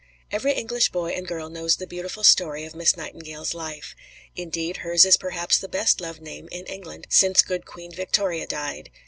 Every English boy and girl knows the beautiful story of Miss Nightingale's life. Indeed, hers is perhaps the best loved name in England since good Queen Victoria died.